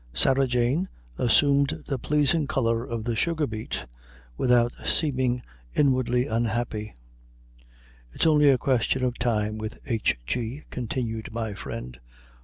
Sarah Jane assumed the pleasing color of the sugar beet, without seeming inwardly unhappy. "It's only a question of time with H. G.," continued my friend.